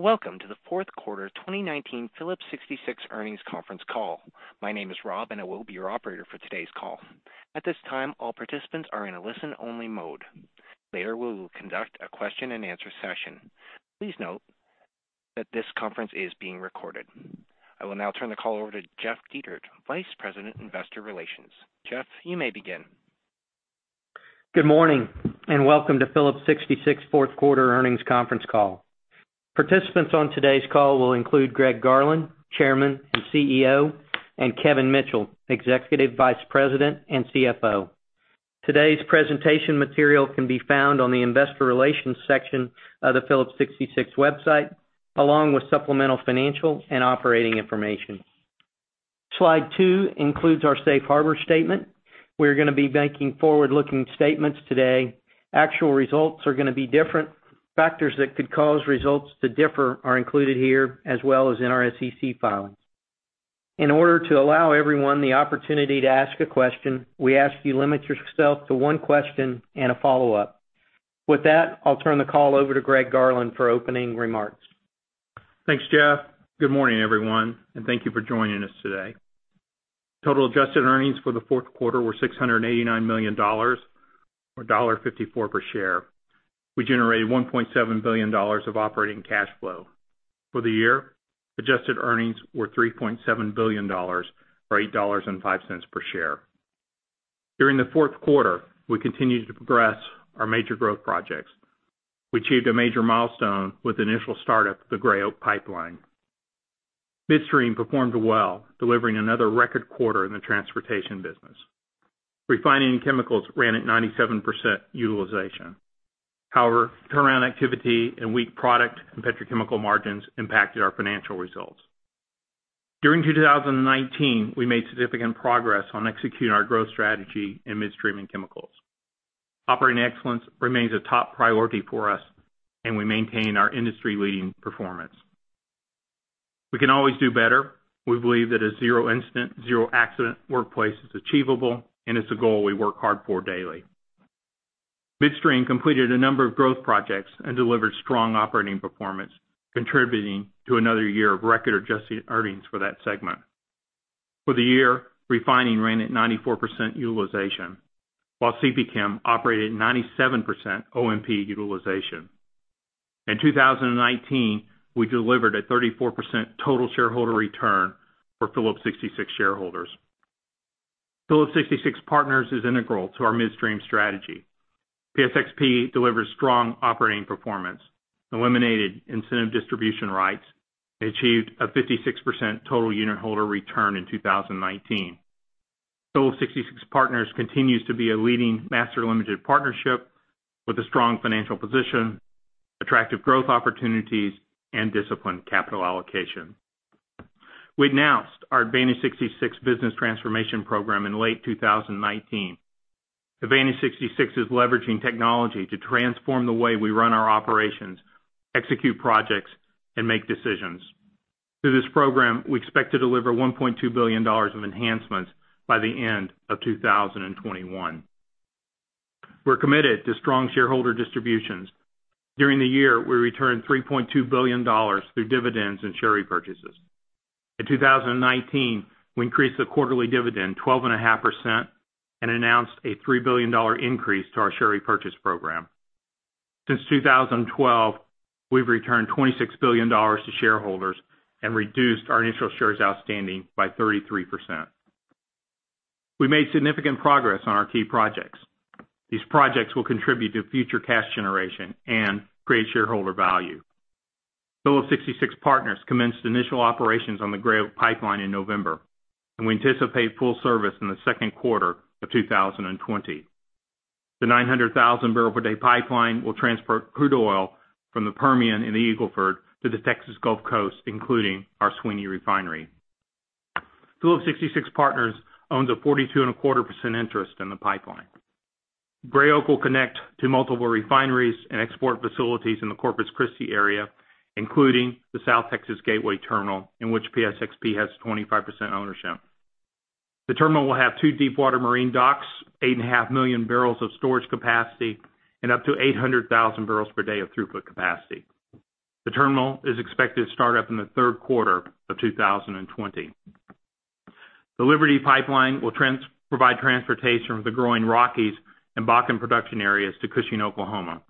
Welcome to the Fourth Quarter 2019 Phillips 66 Earnings Conference Call. My name is Rob, and I will be your Operator for today's call. At this time, all participants are in a listen-only mode. Later, we will conduct a question and answer session. Please note that this conference is being recorded. I will now turn the call over to Jeff Dietert, Vice President, Investor Relations. Jeff, you may begin. Good morning. And welcome to Phillips 66 Fourth Quarter Earnings Conference Call. Participants on today's call will include Greg Garland, Chairman and CEO, Kevin Mitchell, Executive Vice President and CFO. Today's presentation material can be found on the investor relations section of the Phillips 66 website, along with supplemental financial and operating information. Slide two includes our safe harbor statement. We're going to be making forward-looking statements today. Actual results are going to be different. Factors that could cause results to differ are included here, as well as in our SEC filings. In order to allow everyone the opportunity to ask a question, we ask you limit yourself to one question and a follow-up. With that, I'll turn the call over to Greg Garland for opening remarks. Thanks, Jeff. Good morning, everyone, and thank you for joining us today. Total adjusted earnings for the fourth quarter were $689 million or $1.54 per share. We generated $1.7 billion of operating cash flow. For the year, adjusted earnings were $3.7 billion or $8.05 per share. During the fourth quarter, we continued to progress our major growth projects. We achieved a major milestone with initial startup of the Gray Oak Pipeline. Midstream performed well, delivering another record quarter in the transportation business. Refining and Chemicals ran at 97% utilization. However, turnaround activity and weak product and petrochemical margins impacted our financial results. During 2019, we made significant progress on executing our growth strategy in Midstream and Chemicals. Operating excellence remains a top priority for us, and we maintain our industry-leading performance. We can always do better. We believe that a zero incident, zero accident workplace is achievable, and it's a goal we work hard for daily. Midstream completed a number of growth projects and delivered strong operating performance, contributing to another year of record-adjusted earnings for that segment. For the year, refining ran at 94% utilization, while CPChem operated at 97% O&P utilization. In 2019, we delivered a 34% total shareholder return for Phillips 66 shareholders. Phillips 66 Partners is integral to our midstream strategy. PSXP delivered strong operating performance, eliminated Incentive Distribution Rights, and achieved a 56% total unitholder return in 2019. Phillips 66 Partners continues to be a leading Master Limited Partnership with a strong financial position, attractive growth opportunities, and disciplined capital allocation. We announced our AdvantEdge66 business transformation program in late 2019. AdvantEdge66 is leveraging technology to transform the way we run our operations, execute projects, and make decisions. Through this program, we expect to deliver $1.2 billion of enhancements by the end of 2021. We're committed to strong shareholder distributions. During the year, we returned $3.2 billion through dividends and share repurchases. In 2019, we increased the quarterly dividend 12.5% and announced a $3 billion increase to our share repurchase program. Since 2012, we've returned $26 billion to shareholders and reduced our initial shares outstanding by 33%. We made significant progress on our key projects. These projects will contribute to future cash generation and create shareholder value. Phillips 66 Partners commenced initial operations on the Gray Oak Pipeline in November, and we anticipate full service in the second quarter of 2020. The 900,000 bbl per day pipeline will transport crude oil from the Permian in the Eagle Ford to the Texas Gulf Coast, including our Sweeny Refinery. Phillips 66 Partners owns a 42.25% interest in the pipeline. Gray Oak will connect to multiple refineries and export facilities in the Corpus Christi area, including the South Texas Gateway Terminal, in which PSXP has 25% ownership. The terminal will have two deepwater marine docks, 8.5 million bbl of storage capacity, and up to 800,000 bbl per day of throughput capacity. The terminal is expected to start up in the third quarter of 2020. The Liberty Pipeline will provide transportation of the growing Rockies and Bakken production areas to Cushing, Oklahoma.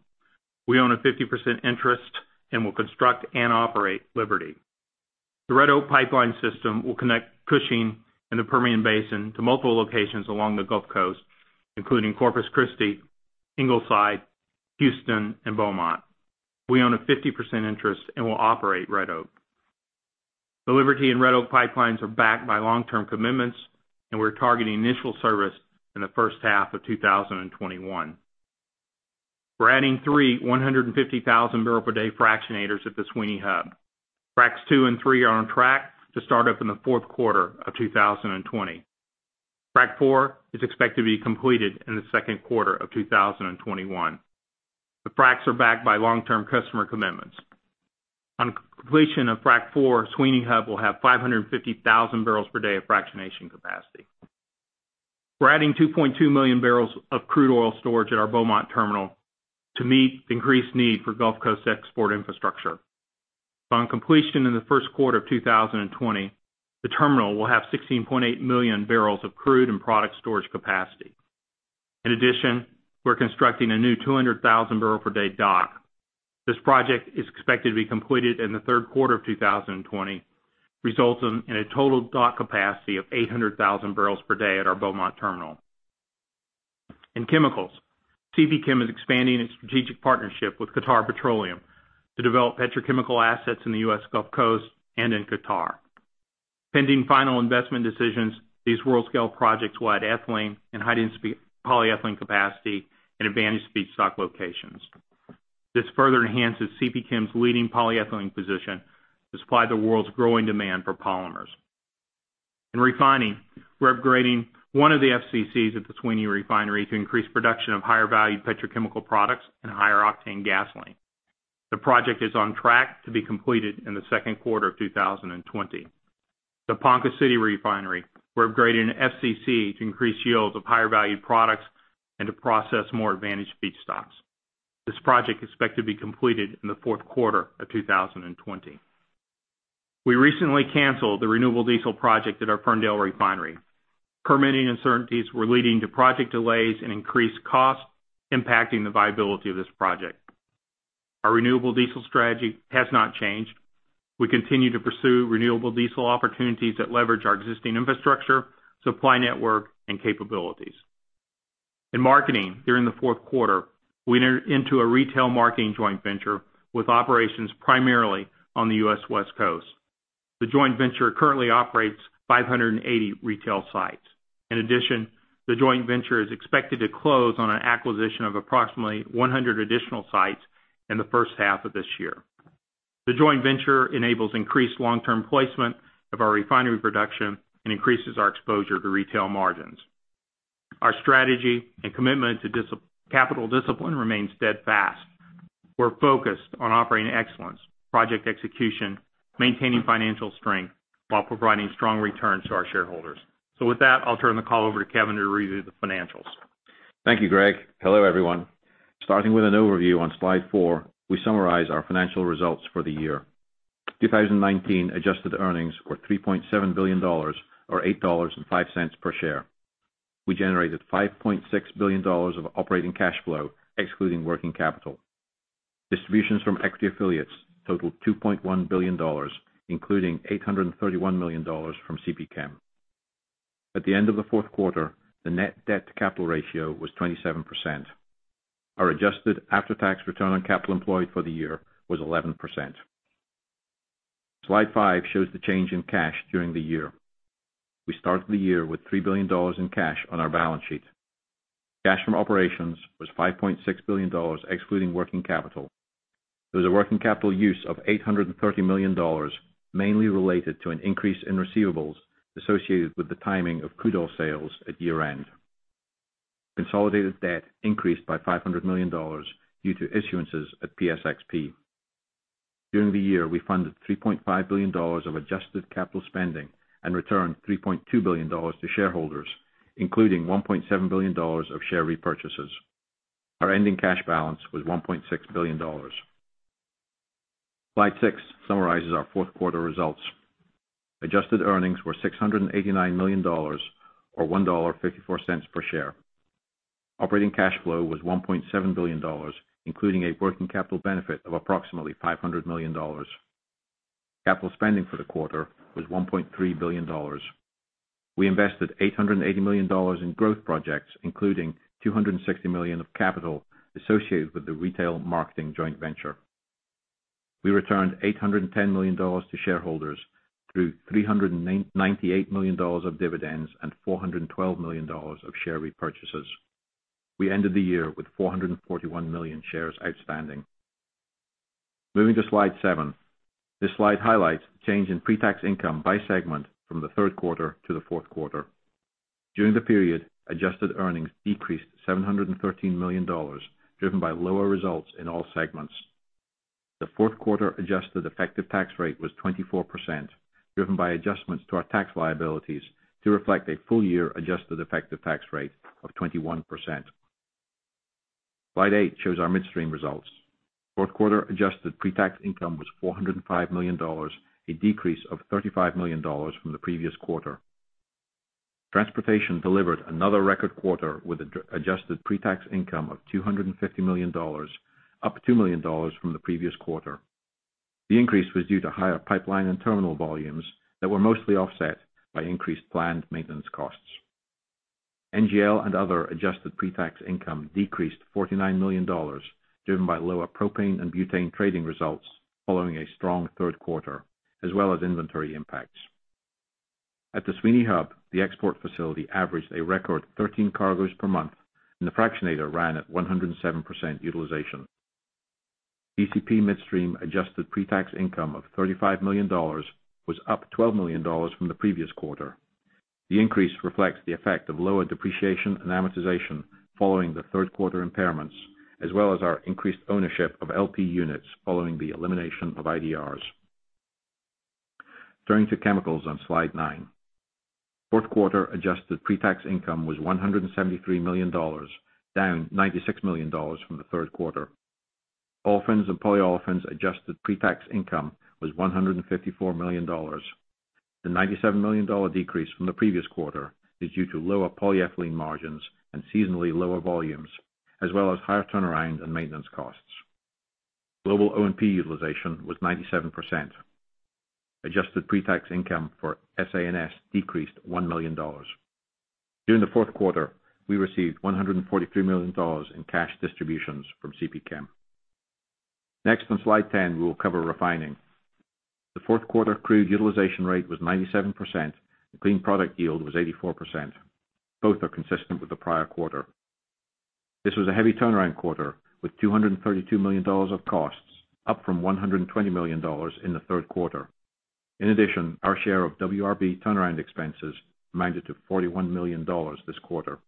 We own a 50% interest and will construct and operate Liberty. The Red Oak Pipeline system will connect Cushing and the Permian Basin to multiple locations along the Gulf Coast, including Corpus Christi, Ingleside, Houston, and Beaumont. We own a 50% interest and will operate Red Oak. The Liberty and Red Oak Pipelines are backed by long-term commitments, and we're targeting initial service in the first half of 2021. We're adding three 150,000 bbl per day fractionators at the Sweeny Hub. Fracs 2 and 3 are on track to start up in the fourth quarter of 2020. Frac 4 is expected to be completed in the second quarter of 2021. The fracs are backed by long-term customer commitments. On completion of Frac 4, Sweeny Hub will have 550,000 bbl per day of fractionation capacity. We're adding 2.2 million bbl of crude oil storage at our Beaumont terminal to meet increased need for Gulf Coast export infrastructure. On completion in the first quarter of 2020, the terminal will have 16.8 million bbl of crude and product storage capacity. In addition, we're constructing a new 200,000 bbl per day dock. This project is expected to be completed in the third quarter of 2020, resulting in a total dock capacity of 800,000 bbl per day at our Beaumont terminal. In chemicals, CPChem is expanding its strategic partnership with Qatar Petroleum to develop petrochemical assets in the U.S. Gulf Coast and in Qatar. Pending final investment decisions, these world-scale projects will add ethylene and high-density polyethylene capacity in advantaged feedstocks locations. This further enhances CPChem's leading polyethylene position to supply the world's growing demand for polymers. In refining, we're upgrading one of the FCCs at the Sweeny refinery to increase production of higher valued petrochemical products and higher octane gasoline. The project is on track to be completed in the second quarter of 2020. The Ponca City Refinery, we're upgrading an FCC to increase yields of higher valued products and to process more advantaged feedstocks. This project is expected to be completed in the fourth quarter of 2020. We recently canceled the renewable diesel project at our Ferndale Refinery. Permitting uncertainties were leading to project delays and increased costs, impacting the viability of this project. Our renewable diesel strategy has not changed. We continue to pursue renewable diesel opportunities that leverage our existing infrastructure, supply network, and capabilities. In marketing during the fourth quarter, we entered into a retail marketing joint venture with operations primarily on the U.S. West Coast. The joint venture currently operates 580 retail sites. In addition, the joint venture is expected to close on an acquisition of approximately 100 additional sites in the first half of this year. The joint venture enables increased long-term placement of our refinery production and increases our exposure to retail margins. Our strategy and commitment to capital discipline remains steadfast. We are focused on operating excellence, project execution, maintaining financial strength while providing strong returns to our shareholders. With that, I'll turn the call over to Kevin to review the financials. Thank you, Greg. Hello, everyone. Starting with an overview on slide four, we summarize our financial results for the year. 2019 adjusted earnings were $3.7 billion or $8.05 per share. We generated $5.6 billion of operating cash flow excluding working capital. Distributions from equity affiliates totaled $2.1 billion, including $831 million from CPChem. At the end of the fourth quarter, the net debt to capital ratio was 27%. Our adjusted after-tax return on capital employed for the year was 11%. Slide five shows the change in cash during the year. We started the year with $3 billion in cash on our balance sheet. Cash from operations was $5.6 billion excluding working capital. There was a working capital use of $830 million, mainly related to an increase in receivables associated with the timing of crude oil sales at year-end. Consolidated debt increased by $500 million due to issuances at PSXP. During the year, we funded $3.5 billion of adjusted capital spending and returned $3.2 billion to shareholders, including $1.7 billion of share repurchases. Our ending cash balance was $1.6 billion. Slide six summarizes our fourth quarter results. Adjusted earnings were $689 million, or $1.54 per share. Operating cash flow was $1.7 billion, including a working capital benefit of approximately $500 million. Capital spending for the quarter was $1.3 billion. We invested $880 million in growth projects, including $260 million of capital associated with the retail marketing joint venture. We returned $810 million to shareholders through $398 million of dividends and $412 million of share repurchases. We ended the year with 441 million shares outstanding. Moving to slide seven. This slide highlights change in pre-tax income by segment from the third quarter to the fourth quarter. During the period, adjusted earnings decreased $713 million, driven by lower results in all segments. The fourth quarter adjusted effective tax rate was 24%, driven by adjustments to our tax liabilities to reflect a full year adjusted effective tax rate of 21%. Slide eight shows our midstream results. Fourth quarter adjusted pre-tax income was $405 million, a decrease of $35 million from the previous quarter. Transportation delivered another record quarter with adjusted pre-tax income of $250 million, up $2 million from the previous quarter. The increase was due to higher pipeline and terminal volumes that were mostly offset by increased planned maintenance costs. NGL and other adjusted pre-tax income decreased $49 million, driven by lower propane and butane trading results following a strong third quarter, as well as inventory impacts. At the Sweeny Hub, the export facility averaged a record 13 cargoes per month, and the fractionator ran at 107% utilization. DCP Midstream adjusted pre-tax income of $35 million was up $12 million from the previous quarter. The increase reflects the effect of lower depreciation and amortization following the third quarter impairments, as well as our increased ownership of LP units following the elimination of IDRs. Turning to chemicals on slide nine. Fourth quarter adjusted pre-tax income was $173 million, down $96 million from the third quarter. Olefins and Polyolefins adjusted pre-tax income was $154 million. The $97 million decrease from the previous quarter is due to lower polyethylene margins and seasonally lower volumes, as well as higher turnaround in maintenance costs. Global O&P utilization was 97%. Adjusted pre-tax income for SA&S decreased $1 million. During the fourth quarter, we received $143 million in cash distributions from CPChem. Next on slide 10, we'll cover refining. The fourth quarter crude utilization rate was 97%, and clean product yield was 84%. Both are consistent with the prior quarter. This was a heavy turnaround quarter, with $232 million of costs, up from $120 million in the third quarter. In addition, our share of WRB turnaround expenses amounted to $41 million this quarter.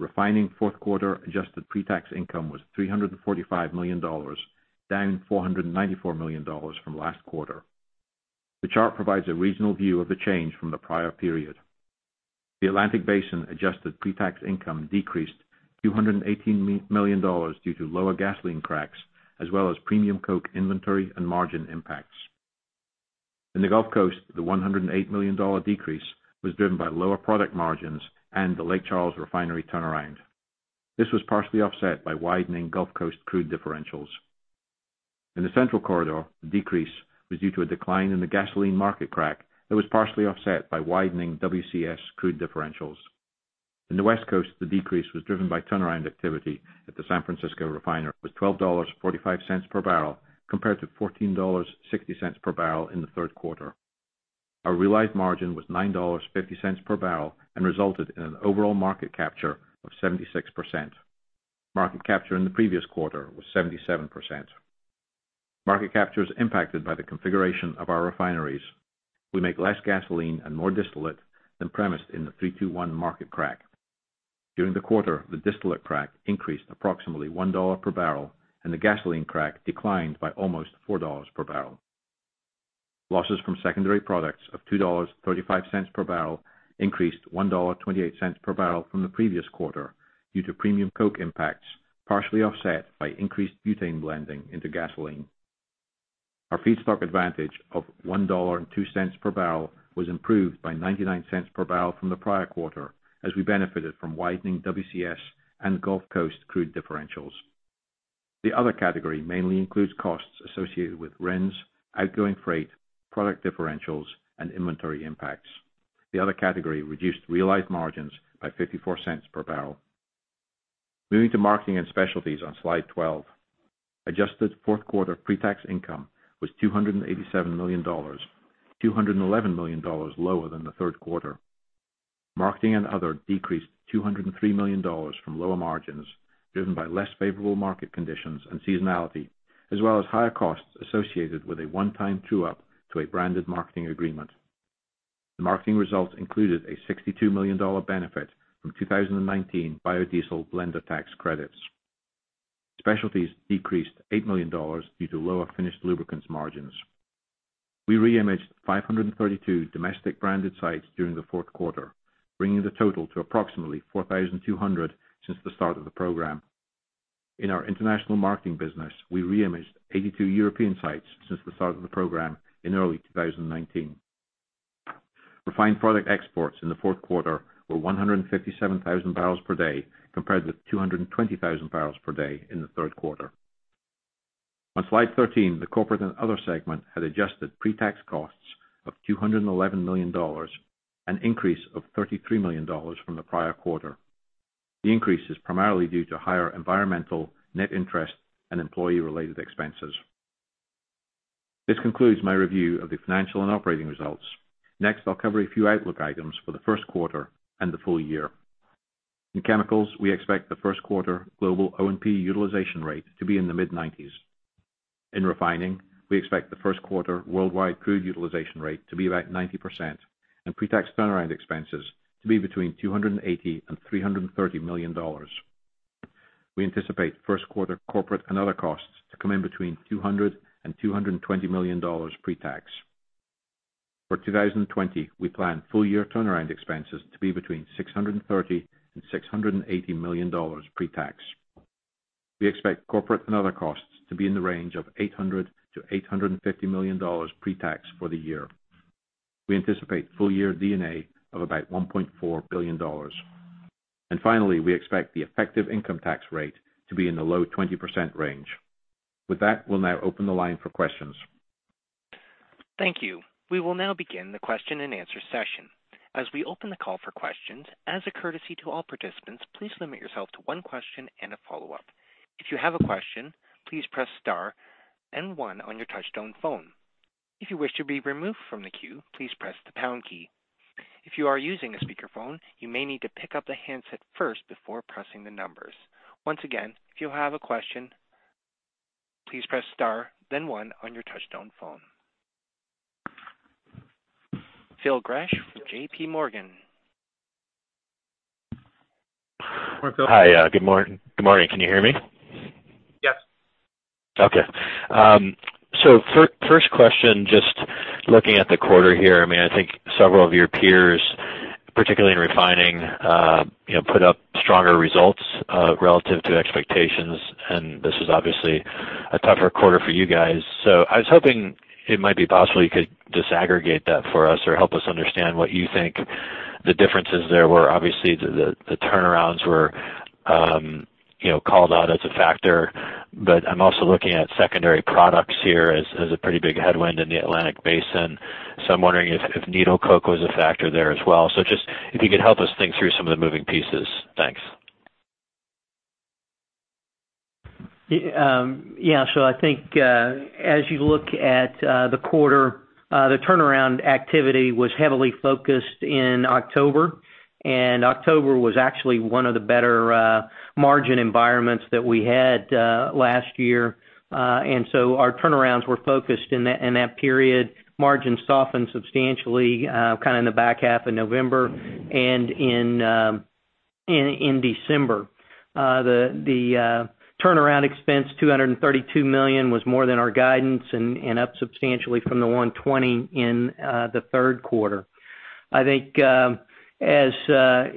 Refining fourth quarter adjusted pre-tax income was $345 million, down $494 million from last quarter. The chart provides a regional view of the change from the prior period. The Atlantic Basin adjusted pre-tax income decreased $218 million due to lower gasoline cracks, as well as premium coke inventory and margin impacts. In the Gulf Coast, the $108 million decrease was driven by lower product margins and the Lake Charles refinery turnaround. This was partially offset by widening Gulf Coast crude differentials. In the Central Corridor, the decrease was due to a decline in the gasoline market crack that was partially offset by widening WCS crude differentials. In the West Coast, the decrease was driven by turnaround activity at the San Francisco refinery was $12.45 per barrel compared to $14.60 per barrel in the third quarter. Our realized margin was $9.50 per barrel and resulted in an overall market capture of 76%. Market capture in the previous quarter was 77%. Market capture is impacted by the configuration of our refineries. We make less gasoline and more distillate than premised in the 3-2-1 market crack. During the quarter, the distillate crack increased approximately $1 per barrel, and the gasoline crack declined by almost $4 per barrel. Losses from secondary products of $2.35 per barrel increased $1.28 per barrel from the previous quarter due to premium coke impacts, partially offset by increased butane blending into gasoline. Our feedstock advantage of $1.02 per barrel was improved by $0.99 per barrel from the prior quarter as we benefited from widening WCS and Gulf Coast crude differentials. The other category mainly includes costs associated with RINs, outgoing freight, product differentials, and inventory impacts. The other category reduced realized margins by $0.54 per barrel. Moving to Marketing and Specialties on slide 12. Adjusted fourth-quarter pre-tax income was $287 million, $211 million lower than the third quarter. Marketing and other decreased $203 million from lower margins driven by less favorable market conditions and seasonality, as well as higher costs associated with a one-time true-up to a branded marketing agreement. The marketing results included a $62 million benefit from 2019 biodiesel blender tax credits. Specialties decreased $8 million due to lower finished lubricants margins. We re-imaged 532 domestic branded sites during the fourth quarter, bringing the total to approximately 4,200 since the start of the program. In our international marketing business, we re-imaged 82 European sites since the start of the program in early 2019. Refined product exports in the fourth quarter were 157,000 bbl per day compared with 220,000 bbl per day in the third quarter. On slide 13, the corporate and other segment had adjusted pre-tax costs of $211 million, an increase of $33 million from the prior quarter. The increase is primarily due to higher environmental net interest and employee-related expenses. This concludes my review of the financial and operating results. Next, I'll cover a few outlook items for the first quarter and the full year. In chemicals, we expect the first quarter global O&P utilization rate to be in the mid-90s. In refining, we expect the first quarter worldwide crude utilization rate to be about 90% and pre-tax turnaround expenses to be between $280 million and $330 million. We anticipate first-quarter corporate and other costs to come in between $200 million and $220 million pre-tax. For 2020, we plan full-year turnaround expenses to be between $630 million and $680 million pre-tax. We expect corporate and other costs to be in the range of $800 million-$850 million pre-tax for the year. We anticipate full-year D&A of about $1.4 billion. Finally, we expect the effective income tax rate to be in the low 20% range. With that, we'll now open the line for questions. Thank you. We will now begin the question-and-answer session. As we open the call for questions, as a courtesy to all participants, please limit yourself to one question and a follow-up. If you have a question, please press star and one on your touchtone phone. If you wish to be removed from the queue, please press the pound key. If you are using a speakerphone, you may need to pick up the handset first before pressing the numbers. Once again, if you have a question, please press star, then one on your touchtone phone. Phil Gresh from JPMorgan. Hi. Good morning. Can you hear me? Yes. Okay. First question, just looking at the quarter here. I think several of your peers, particularly in refining, put up stronger results relative to expectations, and this is obviously a tougher quarter for you guys. I was hoping it might be possible you could disaggregate that for us or help us understand what you think the differences there were. Obviously, the turnarounds were called out as a factor, but I'm also looking at secondary products here as a pretty big headwind in the Atlantic Basin. I'm wondering if needle coke was a factor there as well. Just if you could help us think through some of the moving pieces. Thanks. I think, as you look at the quarter, the turnaround activity was heavily focused in October. October was actually one of the better margin environments that we had last year. Our turnarounds were focused in that period. Margins softened substantially kind of in the back half of November and in December. The turnaround expense, $232 million, was more than our guidance and up substantially from the $120 million in the third quarter. As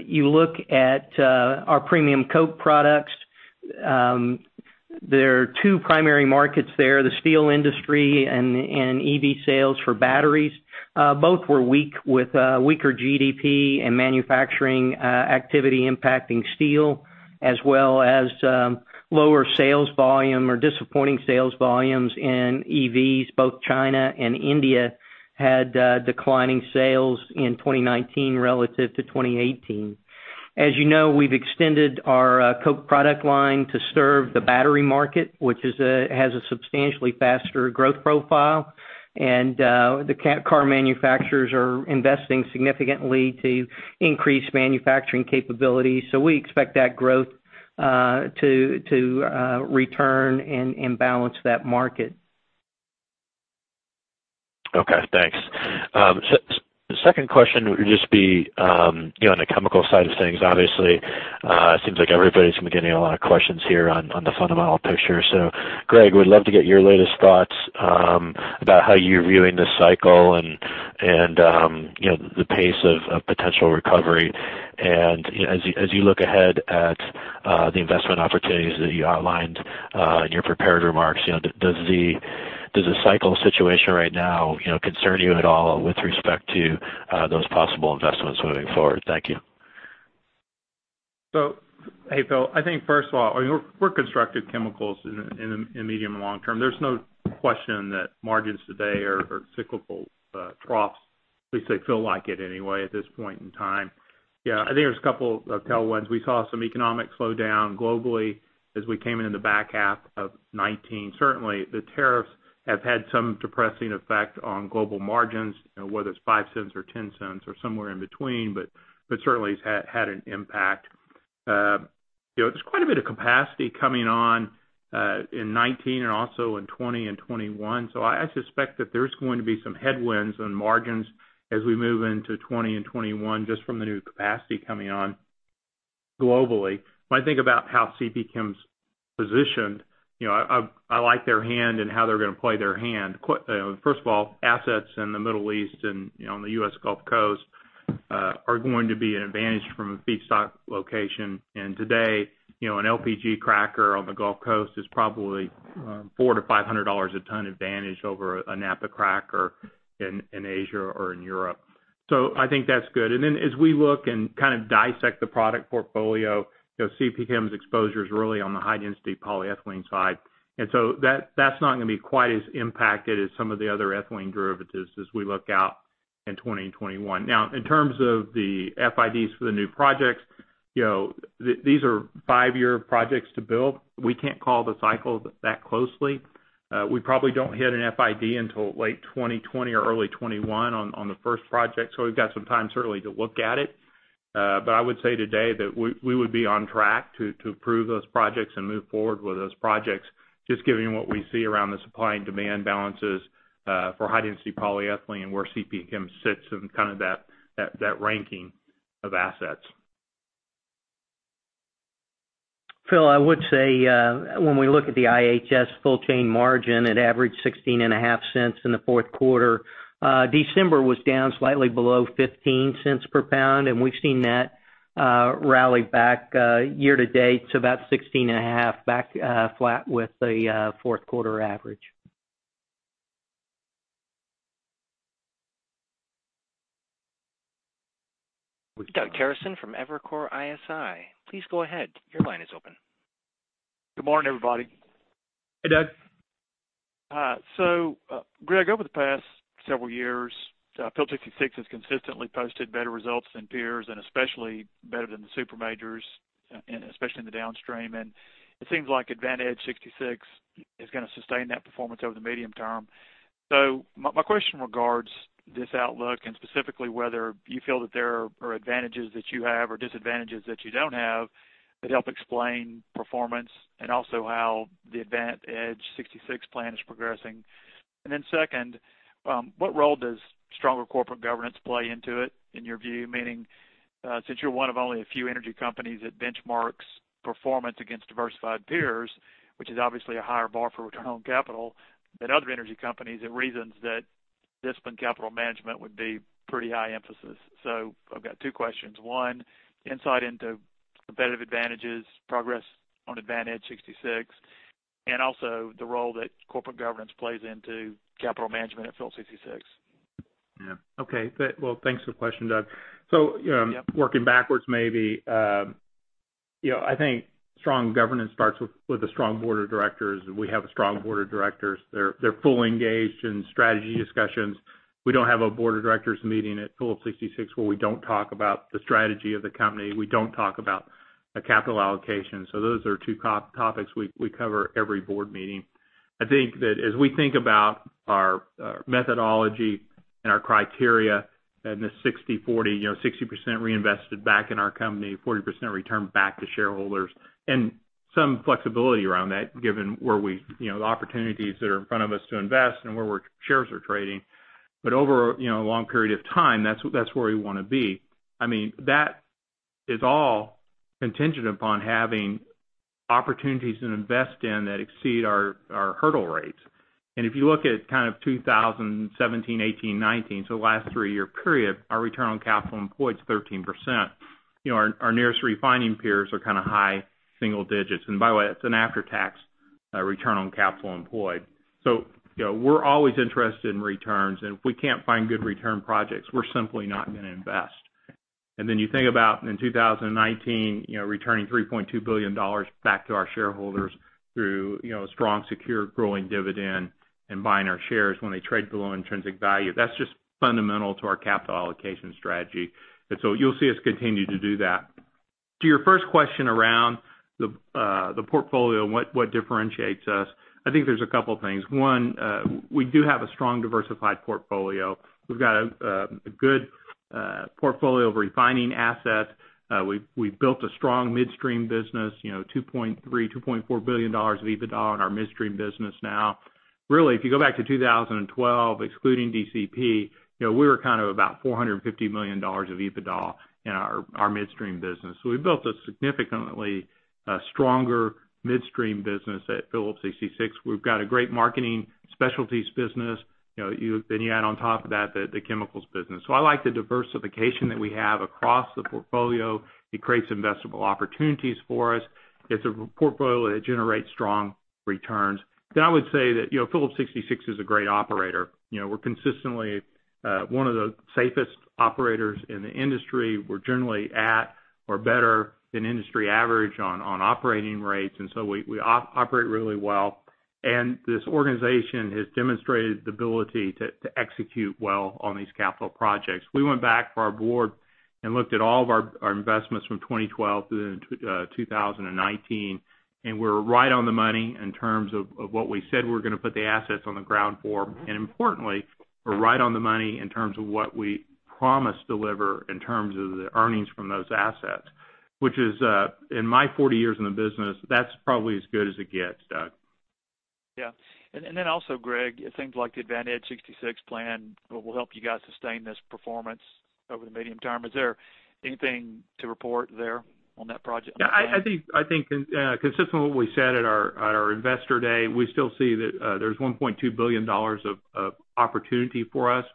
you look at our premium coke products, there are two primary markets there, the steel industry and EV sales for batteries. Both were weak with weaker GDP and manufacturing activity impacting steel as well as lower sales volume or disappointing sales volumes in EVs. Both China and India had declining sales in 2019 relative to 2018. As you know, we've extended our coke product line to serve the battery market, which has a substantially faster growth profile. The car manufacturers are investing significantly to increase manufacturing capabilities. We expect that growth to return and balance that market. Okay, thanks. The second question would just be on the chemical side of things. Obviously, it seems like everybody's been getting a lot of questions here on the fundamental picture. Greg, would love to get your latest thoughts about how you're viewing this cycle and the pace of potential recovery. As you look ahead at the investment opportunities that you outlined in your prepared remarks, does the cycle situation right now concern you at all with respect to those possible investments moving forward? Thank you. Hey, Phil. I think first of all, we're constructive chemicals in the medium and long term. There's no question that margins today are cyclical troughs. At least they feel like it anyway at this point in time. Yeah, I think there's a couple of tailwinds. We saw some economic slowdown globally as we came into the back half of 2019. Certainly, the tariffs have had some depressing effect on global margins, whether it's $0.05 or $0.10 or somewhere in between, but certainly it's had an impact. There's quite a bit of capacity coming on in 2019 and also in 2020 and 2021. I suspect that there's going to be some headwinds on margins as we move into 2020 and 2021, just from the new capacity coming on globally. When I think about how CPChem's positioned, I like their hand and how they're going to play their hand. First of all, assets in the Middle East and on the U.S. Gulf Coast are going to be an advantage from a feedstock location. Today, an LPG cracker on the Gulf Coast is probably $400-$500 a ton advantage over a naphtha cracker in Asia or in Europe. I think that's good. Then as we look and kind of dissect the product portfolio, CPChem's exposure is really on the high-density polyethylene side. That's not going to be quite as impacted as some of the other ethylene derivatives as we look out in 2020 and 2021. In terms of the FIDs for the new projects, these are five-year projects to build. We can't call the cycle that closely. We probably don't hit an FID until late 2020 or early 2021 on the first project. We've got some time certainly to look at it. I would say today that we would be on track to approve those projects and move forward with those projects, just given what we see around the supply and demand balances for high-density polyethylene and where CPChem sits in kind of that ranking of assets. Phil, I would say, when we look at the IHS full chain margin, it averaged $0.165 in the fourth quarter. December was down slightly below $0.15 per pound. We've seen that rally back year to date to about $0.165 back flat with the fourth quarter average. With Doug Terreson from Evercore ISI. Please go ahead. Your line is open. Good morning, everybody. Hey, Doug. Greg, over the past several years, Phillips 66 has consistently posted better results than peers and especially better than the super majors, and especially in the downstream. It seems like AdvantEdge66 is going to sustain that performance over the medium term. My question regards this outlook and specifically whether you feel that there are advantages that you have or disadvantages that you don't have that help explain performance and also how the AdvantEdge66 plan is progressing. Second, what role does stronger corporate governance play into it in your view? Meaning, since you're one of only a few energy companies that benchmarks performance against diversified peers, which is obviously a higher bar for return on capital than other energy companies, it reasons that disciplined capital management would be pretty high emphasis. I've got two questions. One, insight into competitive advantages, progress on AdvantEdge66, and also the role that corporate governance plays into capital management at Phillips 66. Yeah. Okay. Well, thanks for the question, Doug. Yep Working backwards, maybe. I think strong governance starts with a strong board of directors, and we have a strong board of directors. They're fully engaged in strategy discussions. We don't have a board of directors meeting at Phillips 66 where we don't talk about the strategy of the company, we don't talk about the capital allocation. Those are two topics we cover every board meeting. I think that as we think about our methodology and our criteria and the 60/40. 60% reinvested back in our company, 40% returned back to shareholders, and some flexibility around that given the opportunities that are in front of us to invest and where shares are trading. Over a long period of time, that's where we want to be. That is all contingent upon having opportunities to invest in that exceed our hurdle rates. If you look at 2017, 2018, 2019, so the last three-year period, our return on capital employed is 13%. Our nearest refining peers are high single digits. By the way, it's an after-tax return on capital employed. We're always interested in returns, and if we can't find good return projects, we're simply not going to invest. Then you think about in 2019, returning $3.2 billion back to our shareholders through a strong, secure, growing dividend and buying our shares when they trade below intrinsic value. That's just fundamental to our capital allocation strategy. You'll see us continue to do that. To your first question around the portfolio and what differentiates us, I think there's a couple things. One, we do have a strong diversified portfolio. We've got a good portfolio of refining assets. We've built a strong Midstream business, $2.3 billion, $2.4 billion of EBITDA in our Midstream business now. Really, if you go back to 2012, excluding DCP, we were about $450 million of EBITDA in our Midstream business. We've built a significantly stronger Midstream business at Phillips 66. We've got a great Marketing Specialties business. You add on top of that the Chemicals business. I like the diversification that we have across the portfolio. It creates investable opportunities for us. It's a portfolio that generates strong returns. I would say that Phillips 66 is a great operator. We're consistently one of the safest operators in the industry. We're generally at or better than industry average on operating rates, we operate really well. This organization has demonstrated the ability to execute well on these capital projects. We went back for our board and looked at all of our investments from 2012 through 2019, and we're right on the money in terms of what we said we were going to put the assets on the ground for. Importantly, we're right on the money in terms of what we promised to deliver in terms of the earnings from those assets, which is, in my 40 years in the business, that's probably as good as it gets, Doug. Yeah. Also, Greg, things like the AdvantEdge66 plan will help you guys sustain this performance over the medium term. Is there anything to report there on that project? Yeah, I think consistent with what we said at our investor day, we still see that there's $1.2 billion of opportunity for us.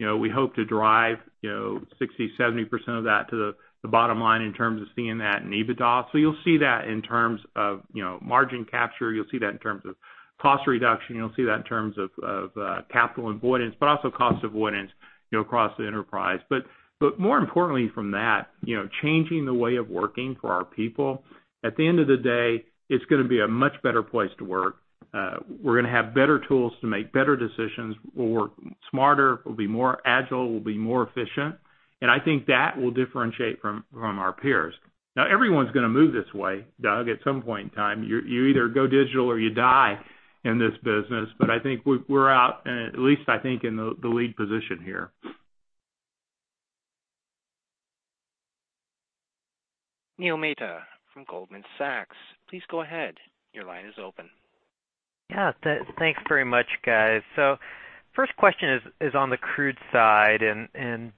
We hope to drive 60%, 70% of that to the bottom line in terms of seeing that in EBITDA. You'll see that in terms of margin capture, you'll see that in terms of cost reduction, you'll see that in terms of capital avoidance, but also cost avoidance across the enterprise. More importantly from that, changing the way of working for our people. At the end of the day, it's going to be a much better place to work. We're going to have better tools to make better decisions. We'll work smarter, we'll be more agile, we'll be more efficient, and I think that will differentiate from our peers. Everyone's going to move this way, Doug, at some point in time. You either go digital or you die in this business. I think we're out, at least I think, in the lead position here. Neil Mehta from Goldman Sachs, please go ahead. Your line is open. Yeah. Thanks very much, guys. First question is on the crude side, and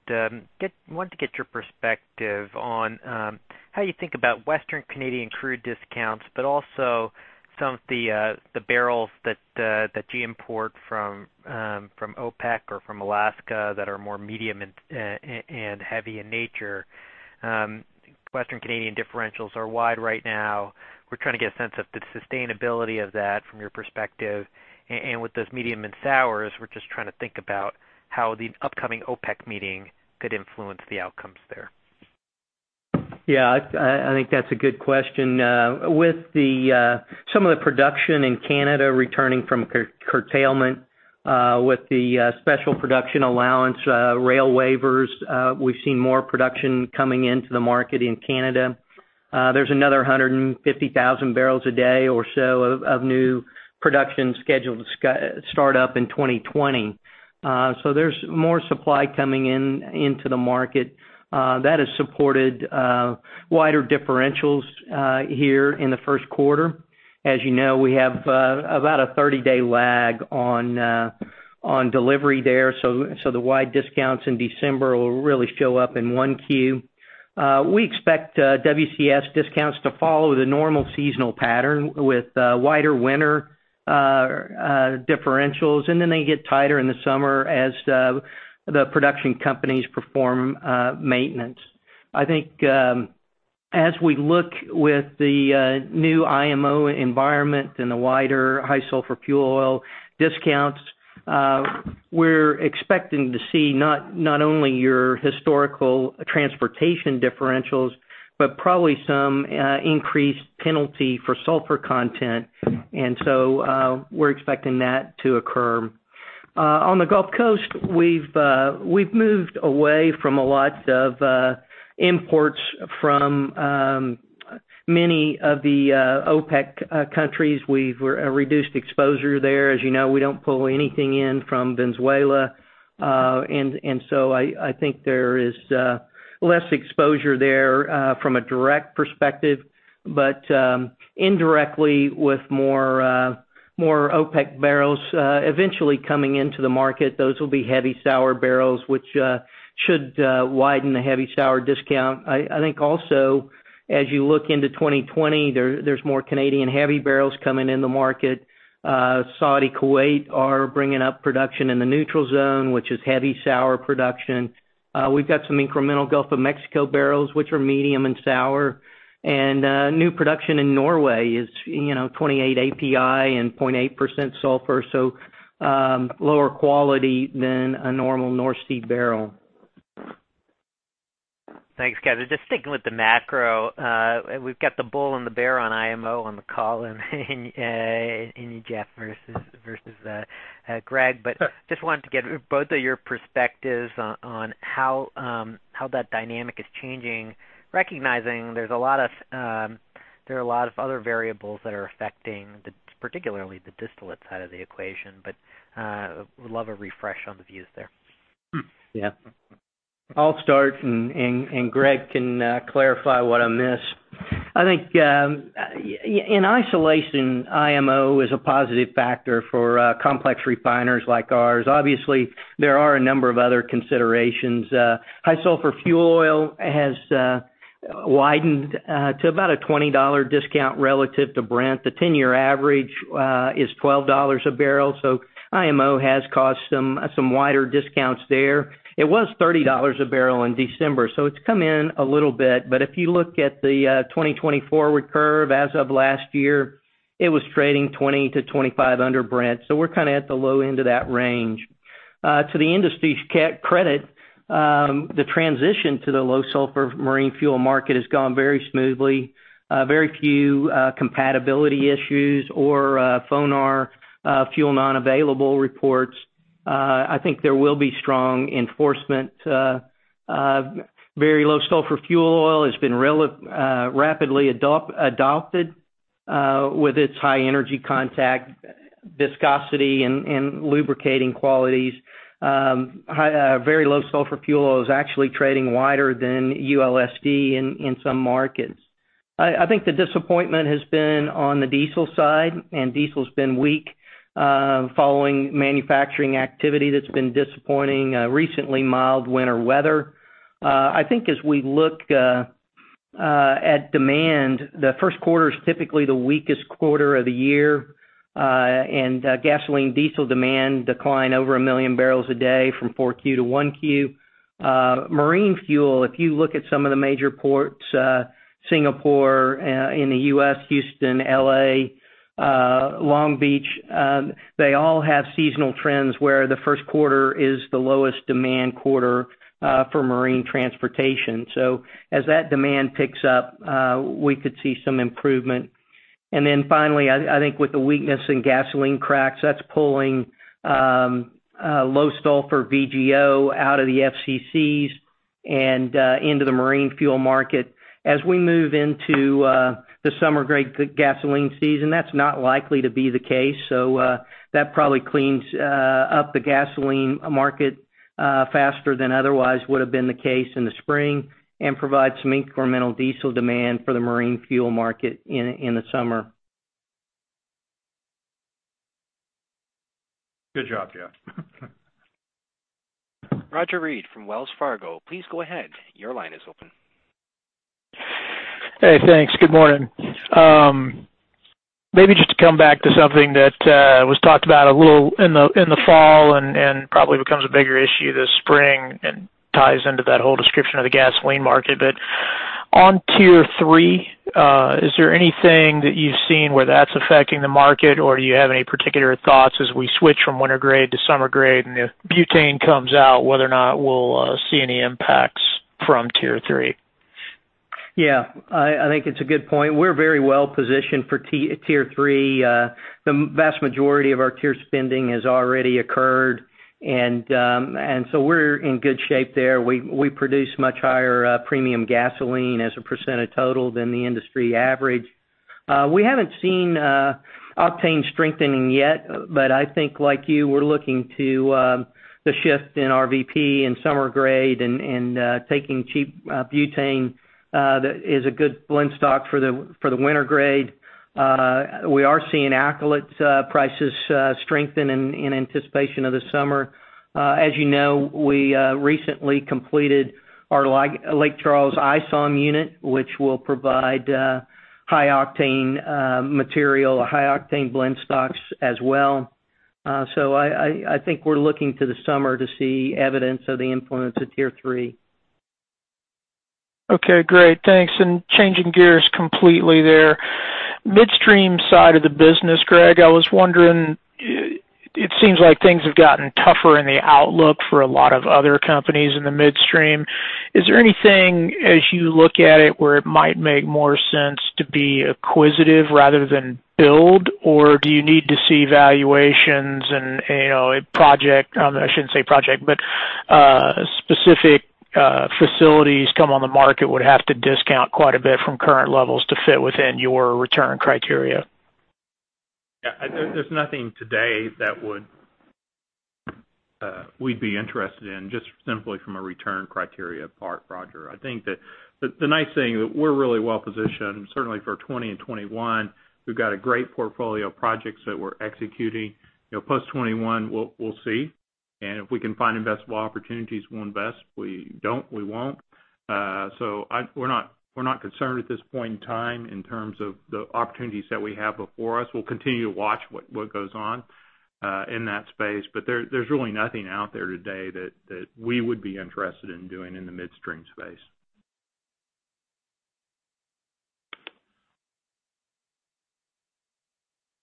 wanted to get your perspective on how you think about Western Canadian crude discounts, but also some of the barrels that you import from OPEC or from Alaska that are more medium and heavy in nature. Western Canadian differentials are wide right now. We're trying to get a sense of the sustainability of that from your perspective, and with those medium and sours, we're just trying to think about how the upcoming OPEC meeting could influence the outcomes there. I think that's a good question. With some of the production in Canada returning from curtailment, with the special production allowance, rail waivers, we've seen more production coming into the market in Canada. There's another 150,000 bbl a day or so of new production scheduled to start up in 2020. There's more supply coming into the market. That has supported wider differentials here in the first quarter. As you know, we have about a 30-day lag on delivery there. The wide discounts in December will really show up in 1Q. We expect WCS discounts to follow the normal seasonal pattern with wider winter differentials, and then they get tighter in the summer as the production companies perform maintenance. I think as we look with the new IMO environment and the wider high sulfur fuel oil discounts, we're expecting to see not only your historical transportation differentials, but probably some increased penalty for sulfur content. We're expecting that to occur. On the Gulf Coast, we've moved away from a lot of imports from many of the OPEC countries. We've reduced exposure there. As you know, we don't pull anything in from Venezuela. I think there is less exposure there from a direct perspective, but indirectly with more OPEC barrels eventually coming into the market. Those will be heavy sour barrels, which should widen the heavy sour discount. I think also, as you look into 2020, there's more Canadian heavy barrels coming in the market. Saudi, Kuwait are bringing up production in the neutral zone, which is heavy sour production. We've got some incremental Gulf of Mexico barrels, which are medium and sour. New production in Norway is 28 API and 0.8% sulfur. Lower quality than a normal North Sea barrel. Thanks, guys. Just sticking with the macro, we've got the bull and the bear on IMO on the call and Jeff versus Greg. Just wanted to get both of your perspectives on how that dynamic is changing, recognizing there are a lot of other variables that are affecting particularly the distillate side of the equation. Would love a refresh on the views there. Yeah. I'll start. Greg can clarify what I miss. I think in isolation, IMO is a positive factor for complex refiners like ours. Obviously, there are a number of other considerations. High sulfur fuel oil has widened to about a $20 discount relative to Brent. The 10-year average is $12 a barrel. IMO has caused some wider discounts there. It was $30 a barrel in December. It's come in a little bit. If you look at the 2024 recurve as of last year, it was trading $20-$25 under Brent. We're kind of at the low end of that range. To the industry's credit, the transition to the low sulfur marine fuel market has gone very smoothly. Very few compatibility issues or FONAR, fuel non-available reports. I think there will be strong enforcement. Very low sulfur fuel oil has been rapidly adopted with its high energy content viscosity and lubricating qualities. Very low sulfur fuel oil is actually trading wider than ULSD in some markets. I think the disappointment has been on the diesel side, and diesel's been weak following manufacturing activity that's been disappointing. Recently mild winter weather. I think as we look at demand, the first quarter is typically the weakest quarter of the year. Gasoline diesel demand decline over 1 million bbl a day from 4Q to 1Q. Marine fuel, if you look at some of the major ports, Singapore in the U.S., Houston, L.A., Long Beach, they all have seasonal trends where the first quarter is the lowest demand quarter for marine transportation. As that demand picks up, we could see some improvement. Finally, I think with the weakness in gasoline cracks, that's pulling low sulfur VGO out of the FCCs and into the marine fuel market. As we move into the summer-grade gasoline season, that's not likely to be the case. That probably cleans up the gasoline market faster than otherwise would've been the case in the spring and provide some incremental diesel demand for the marine fuel market in the summer. Good job, Jeff. Roger Read from Wells Fargo. Please go ahead. Your line is open. Hey, thanks. Good morning. Maybe just to come back to something that was talked about a little in the fall and probably becomes a bigger issue this spring and ties into that whole description of the gasoline market. On Tier 3, is there anything that you've seen where that's affecting the market or do you have any particular thoughts as we switch from winter grade to summer grade and the butane comes out, whether or not we'll see any impacts from Tier 3? I think it's a good point. We're very well positioned for Tier 3. The vast majority of our tier spending has already occurred, we're in good shape there. We produce much higher premium gasoline as a percentage of total than the industry average. We haven't seen octane strengthening yet, I think like you, we're looking to the shift in RVP and summer grade and taking cheap butane that is a good blend stock for the winter grade. We are seeing alkylate prices strengthen in anticipation of the summer. You know, we recently completed our Lake Charles ISOM unit, which will provide high octane material, high octane blend stocks as well. I think we're looking to the summer to see evidence of the influence of Tier 3. Okay, great. Thanks. Changing gears completely there. Midstream side of the business, Greg, I was wondering, it seems like things have gotten tougher in the outlook for a lot of other companies in the midstream. Is there anything, as you look at it, where it might make more sense to be acquisitive rather than build? Do you need to see valuations and a project, I shouldn't say project, but specific facilities come on the market would have to discount quite a bit from current levels to fit within your return criteria? There's nothing today that we'd be interested in, just simply from a return criteria part, Roger. I think that the nice thing, that we're really well-positioned, certainly for 2020 and 2021. We've got a great portfolio of projects that we're executing. Post 2021, we'll see. If we can find investable opportunities, we'll invest. If we don't, we won't. We're not concerned at this point in time in terms of the opportunities that we have before us. We'll continue to watch what goes on in that space. There's really nothing out there today that we would be interested in doing in the midstream space.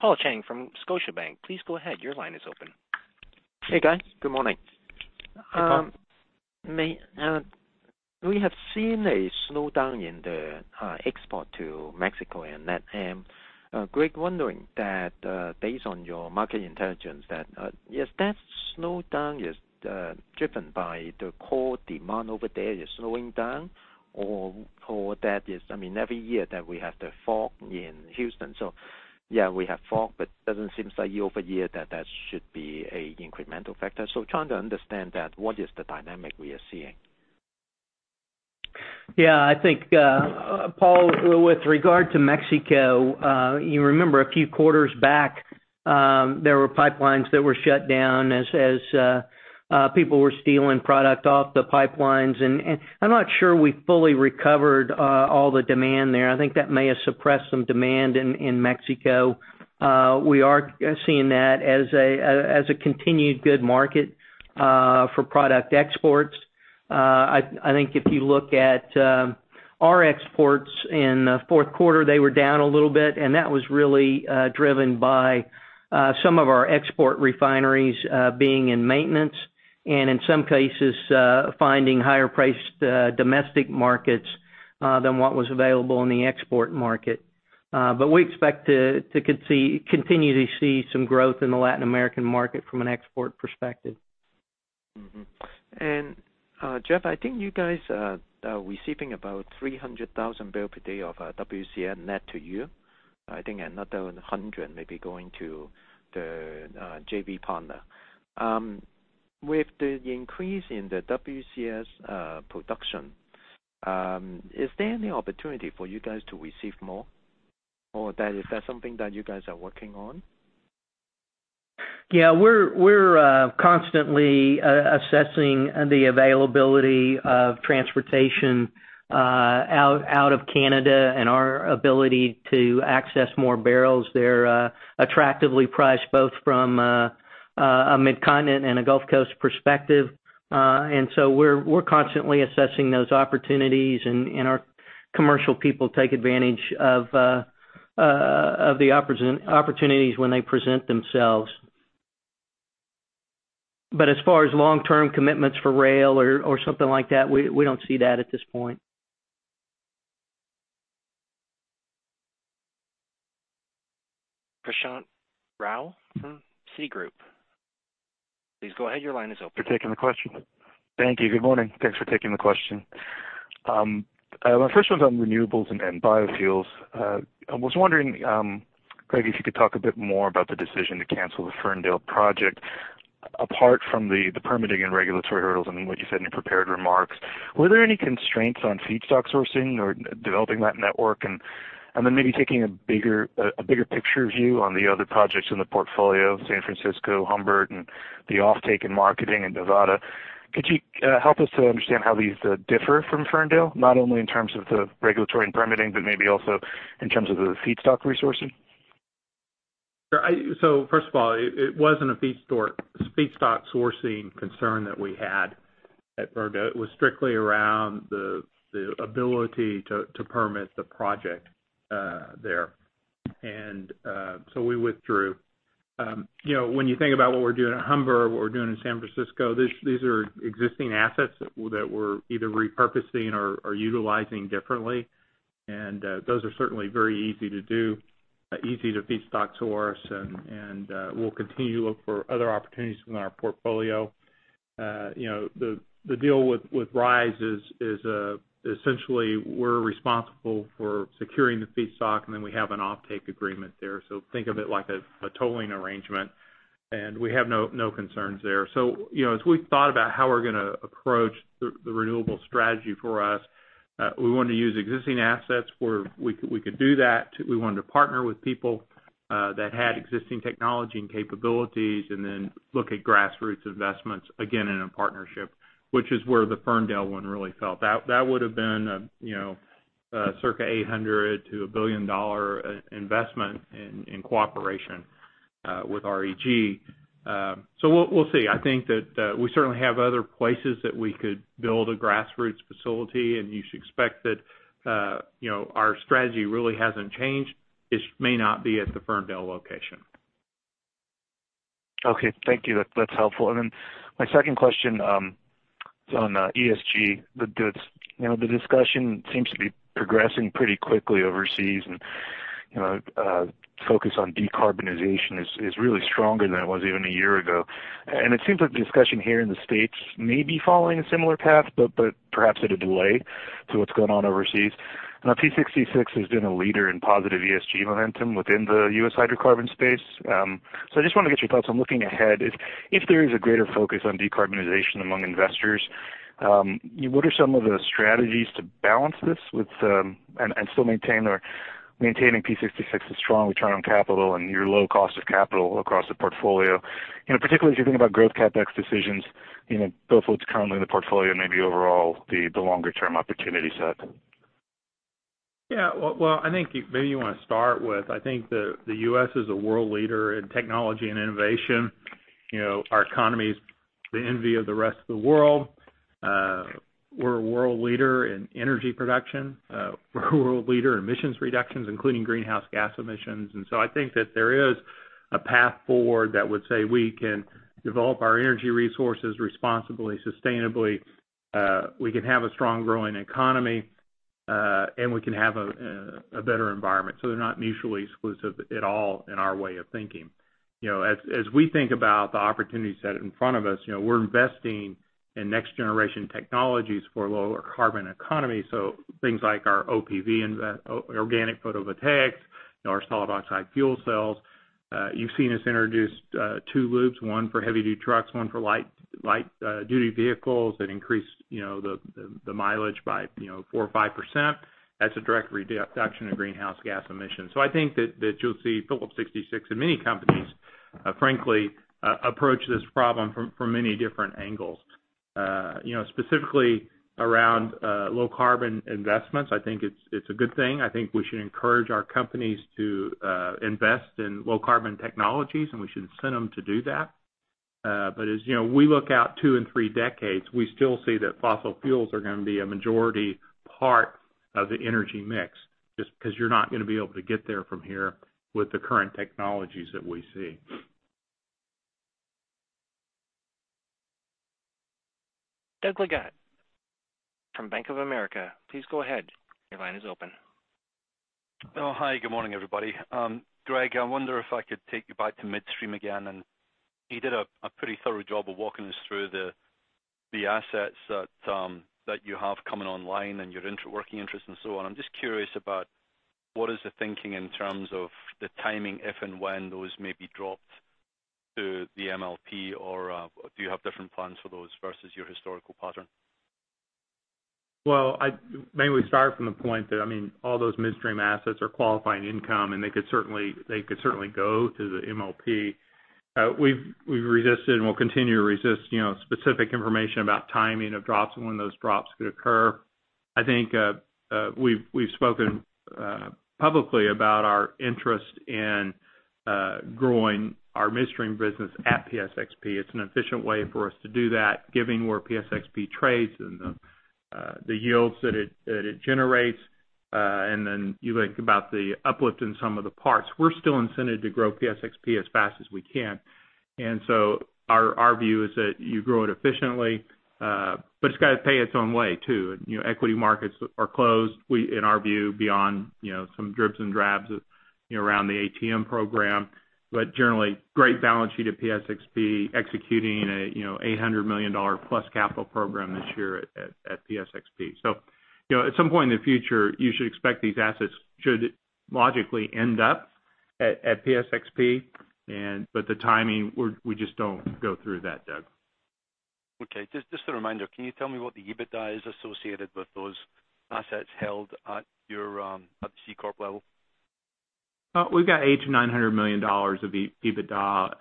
Paul Cheng from Scotiabank. Please go ahead. Your line is open. Hey, guys. Good morning. Hey, Paul. We have seen a slowdown in the export to Mexico and LATAM. Greg, wondering that, based on your market intelligence, that if that slowdown is driven by the core demand over there is slowing down or that is every year that we have the fog in Houston, yeah, we have fog, but doesn't seem like year over year that should be an incremental factor. Trying to understand that, what is the dynamic we are seeing? Yeah, I think, Paul, with regard to Mexico, you remember a few quarters back, there were pipelines that were shut down as people were stealing product off the pipelines, and I'm not sure we fully recovered all the demand there. I think that may have suppressed some demand in Mexico. We are seeing that as a continued good market for product exports. I think if you look at our exports in fourth quarter, they were down a little bit, and that was really driven by some of our export refineries being in maintenance and in some cases, finding higher priced domestic markets than what was available in the export market. We expect to continue to see some growth in the Latin American market from an export perspective. Mm-hmm. Jeff, I think you guys are receiving about 300,000 bbl per day of WCS net to you. I think another 100 bbl maybe going to the JV partner. With the increase in the WCS production, is there any opportunity for you guys to receive more? Is that something that you guys are working on? Yeah, we're constantly assessing the availability of transportation out of Canada and our ability to access more barrels. They're attractively priced both from a Midcontinent and a Gulf Coast perspective. We're constantly assessing those opportunities, and our commercial people take advantage of the opportunities when they present themselves. As far as long-term commitments for rail or something like that, we don't see that at this point. Prashant Rao from Citigroup. Please go ahead. Your line is open. For taking the question. Thank you. Good morning. Thanks for taking the question. My first one's on renewables and biofuels. I was wondering, Greg, if you could talk a bit more about the decision to cancel the Ferndale project, apart from the permitting and regulatory hurdles and what you said in your prepared remarks. Were there any constraints on feedstock sourcing or developing that network? Then maybe taking a bigger picture view on the other projects in the portfolio, San Francisco, Humber, and the offtake and marketing in Nevada. Could you help us to understand how these differ from Ferndale, not only in terms of the regulatory and permitting, but maybe also in terms of the feedstock resourcing? First of all, it wasn't a feedstock sourcing concern that we had at Ferndale. It was strictly around the ability to permit the project there. We withdrew. When you think about what we're doing at Humber or what we're doing in San Francisco, these are existing assets that we're either repurposing or utilizing differently. Those are certainly very easy to do. Easy to feedstock to us, and we'll continue to look for other opportunities within our portfolio. The deal with Ryze is essentially we're responsible for securing the feedstock, and then we have an offtake agreement there. Think of it like a tolling arrangement, and we have no concerns there. As we've thought about how we're going to approach the renewable strategy for us, we want to use existing assets where we could do that. We wanted to partner with people that had existing technology and capabilities and then look at grassroots investments, again, in a partnership, which is where the Ferndale one really fell. That would've been a circa $800 million-$1 billion investment in cooperation with REG. We'll see. I think that we certainly have other places that we could build a grassroots facility, and you should expect that our strategy really hasn't changed. It may not be at the Ferndale location. Okay. Thank you. That's helpful. My second question is on ESG. The discussion seems to be progressing pretty quickly overseas, and focus on decarbonization is really stronger than it was even a year ago. It seems like the discussion here in the States may be following a similar path, but perhaps at a delay to what's going on overseas. Phillips 66 has been a leader in positive ESG momentum within the U.S. hydrocarbon space. I just want to get your thoughts on looking ahead if there is a greater focus on decarbonization among investors, what are some of the strategies to balance this and still maintaining Phillips 66's strong return on capital and your low cost of capital across the portfolio? Particularly as you think about growth CapEx decisions, both what's currently in the portfolio and maybe overall, the longer-term opportunity set. Yeah. Well, maybe you want to start with, I think the U.S. is a world leader in technology and innovation. Our economy is the envy of the rest of the world. We're a world leader in energy production. We're a world leader in emissions reductions, including greenhouse gas emissions. I think that there is a path forward that would say we can develop our energy resources responsibly, sustainably. We can have a strong growing economy, and we can have a better environment. They're not mutually exclusive at all in our way of thinking. As we think about the opportunity set in front of us, we're investing in next-generation technologies for a lower carbon economy. Things like our OPV, organic photovoltaics, our solid oxide fuel cells. You've seen us introduce two lubes, one for heavy-duty trucks, one for light-duty vehicles that increase the mileage by 4% or 5%. That's a direct reduction in greenhouse gas emissions. So I think that you'll see Phillips 66 and many companies, frankly, approach this problem from many different angles. Specifically around low carbon investments, I think it's a good thing. I think we should encourage our companies to invest in low carbon technologies, and we should incent them to do that. But as we look out two and three decades, we still see that fossil fuels are going to be a majority part of the energy mix, just because you're not going to be able to get there from here with the current technologies that we see. Doug Leggate from Bank of America, please go ahead. Your line is open. Hi, good morning, everybody. Greg, I wonder if I could take you back to midstream again. You did a pretty thorough job of walking us through the assets that you have coming online and your interworking interest and so on. I'm just curious about what is the thinking in terms of the timing, if and when those may be dropped to the MLP, or do you have different plans for those versus your historical pattern? Well, maybe we start from the point that all those midstream assets are qualifying income, and they could certainly go to the MLP. We've resisted and we'll continue to resist specific information about timing of drops and when those drops could occur. I think we've spoken publicly about our interest in growing our midstream business at PSXP. It's an efficient way for us to do that, given where PSXP trades and the yields that it generates. Then you think about the uplift in some of the parts. We're still incented to grow PSXP as fast as we can. So our view is that you grow it efficiently, but it's got to pay its own way, too. Equity markets are closed, in our view, beyond some dribs and drabs around the ATM program, but generally, great balance sheet at PSXP, executing an $800+ million capital program this year at PSXP. At some point in the future, you should expect these assets should logically end up at PSXP. The timing, we just don't go through that, Doug. Okay. Just a reminder, can you tell me what the EBITDA is associated with those assets held at the C corp level? We've got $800 million-$900 million of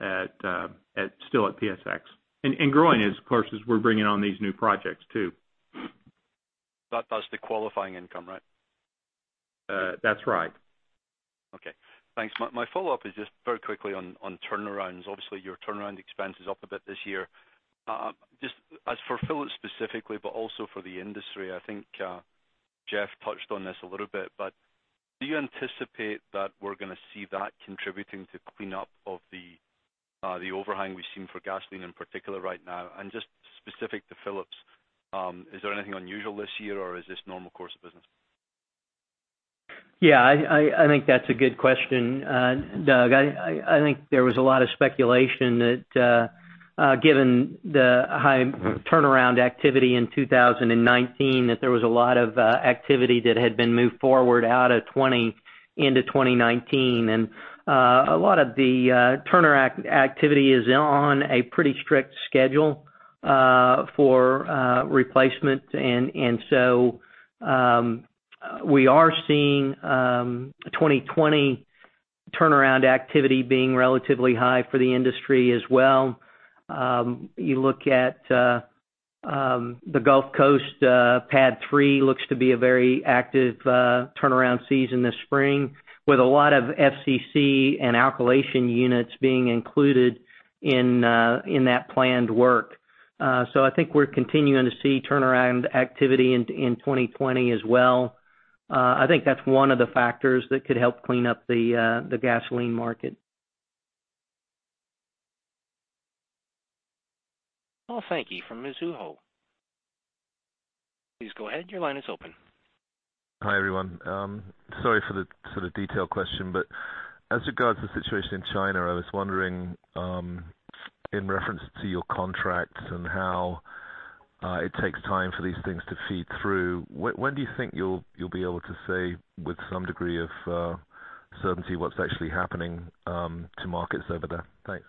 EBITDA still at PSX. Growing, of course, as we're bringing on these new projects, too. That's the qualifying income, right? That's right. Okay. Thanks. My follow-up is just very quickly on turnarounds. Obviously, your turnaround expense is up a bit this year. Just as for Phillips specifically, but also for the industry, I think Jeff touched on this a little bit, do you anticipate that we're going to see that contributing to clean up of the overhang we've seen for gasoline in particular right now. Just specific to Phillips, is there anything unusual this year, or is this normal course of business? I think that's a good question, Doug. I think there was a lot of speculation that given the high turnaround activity in 2019, that there was a lot of activity that had been moved forward out of 2020 into 2019. A lot of the turnaround activity is on a pretty strict schedule for replacement. We are seeing 2020 turnaround activity being relatively high for the industry as well. You look at the Gulf Coast, PADD 3 looks to be a very active turnaround season this spring, with a lot of FCC and alkylation units being included in that planned work. I think we're continuing to see turnaround activity in 2020 as well. I think that's one of the factors that could help clean up the gasoline market. Paul Sankey from Mizuho. Please go ahead. Your line is open. Hi, everyone. Sorry for the detailed question, but as regards to the situation in China, I was wondering, in reference to your contracts and how it takes time for these things to feed through, when do you think you'll be able to say, with some degree of certainty, what's actually happening to markets over there? Thanks.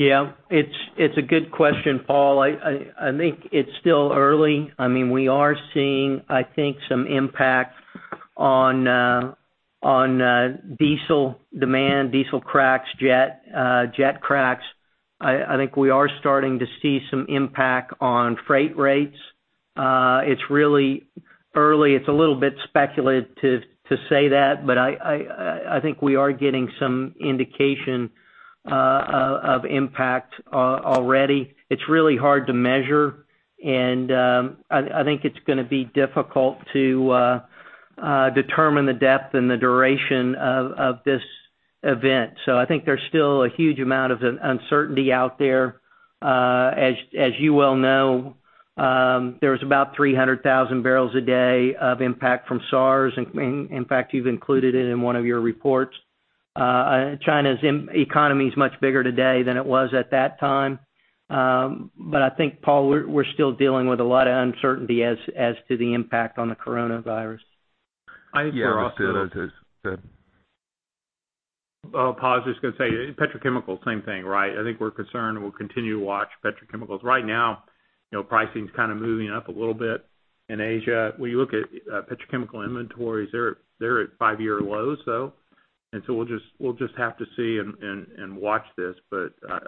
Yeah. It's a good question, Paul. I think it's still early. We are seeing, I think, some impact on diesel demand, diesel cracks, jet cracks. I think we are starting to see some impact on freight rates. It's really early. It's a little bit speculative to say that, but I think we are getting some indication of impact already. It's really hard to measure, and I think it's going to be difficult to determine the depth and the duration of this event. I think there's still a huge amount of uncertainty out there. As you well know, there was about 300,000 bbl a day of impact from SARS. In fact, you've included it in one of your reports. China's economy is much bigger today than it was at that time. I think, Paul, we're still dealing with a lot of uncertainty as to the impact on the coronavirus. Yeah. Understood. Paul, I was just going to say, petrochemical, same thing, right? I think we're concerned, and we'll continue to watch petrochemicals. Right now, pricing's kind of moving up a little bit in Asia. When you look at petrochemical inventories, they're at five-year lows, though. We'll just have to see and watch this.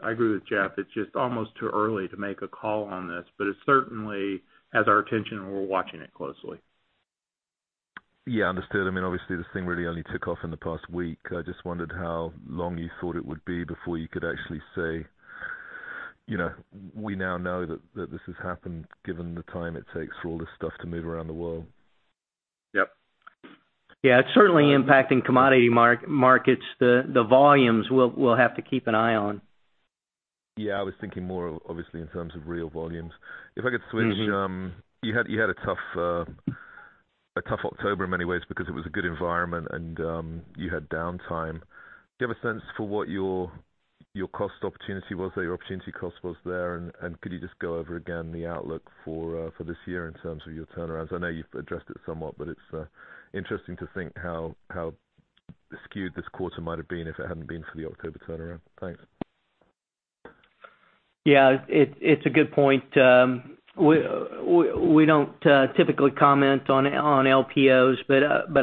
I agree with Jeff, it's just almost too early to make a call on this. It certainly has our attention, and we're watching it closely. Yeah. Understood. Obviously, this thing really only took off in the past week. I just wondered how long you thought it would be before you could actually say, we now know that this has happened, given the time it takes for all this stuff to move around the world. Yep. Yeah. It's certainly impacting commodity markets. The volumes, we'll have to keep an eye on. Yeah, I was thinking more obviously in terms of real volumes. If I could switch. You had a tough October in many ways because it was a good environment and you had downtime. Do you have a sense for what your cost opportunity was there, your opportunity cost was there? Could you just go over again the outlook for this year in terms of your turnarounds? I know you've addressed it somewhat, it's interesting to think how skewed this quarter might've been if it hadn't been for the October turnaround. Thanks. Yeah. It's a good point. We don't typically comment on LPOs.